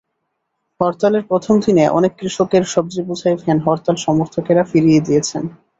হরতালের প্রথম দিনে অনেক কৃষকের সবজিবোঝাই ভ্যান হরতাল সমর্থকেরা ফিরিয়ে দিয়েছেন।